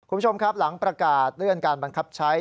คุณผู้ชมครับหลังประกาศเลื่อนการบังคับใช้